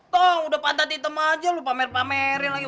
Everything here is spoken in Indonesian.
tau udah pantat hitam aja lu pamer pamerin lagi